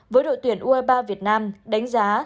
với đội tuyển u hai mươi ba việt nam đánh giá